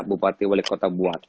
bupati wali kota buat